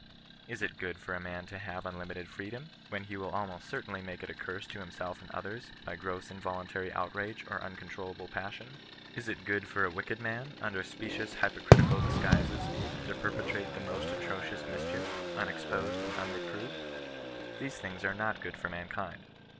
Is it ffood for a man to have unlimited freedom, when he will almost certainly make it a curse to himself and others, by gross involuntary outrage, or uncontrollable passion ? Is it good for a wicked man, under specious hypocritical disguises, to perpetrate the most atrocious mischief, un exposed and unreproved? These things are not good for mankind.